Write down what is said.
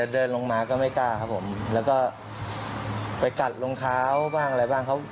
เดินลงมาก็ไม่กล้าครับผมแล้วก็ไปกัดรองเท้าบ้างอะไรบ้าง